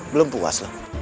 belum puas lo